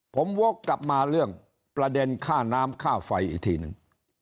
ผมโว๊คกลับมาเรื่องประเด็นข้าน้ำข้าวไฟอีกทีนึง